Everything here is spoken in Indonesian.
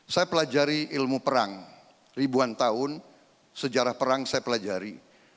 saya pelajari ilmu perang ribuan tahun sejarah perang saya pelajari